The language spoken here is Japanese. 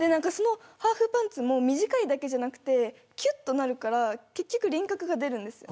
ハーフパンツも短いだけじゃなくてキュッとなるから結局、輪郭が出るんです。